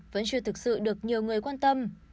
vẫn chưa thực sự được nhiều người quan tâm